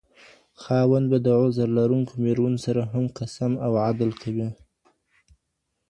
خاوند به د عذر لرونکو ميرمنو سره هم قسم او عدل کوي.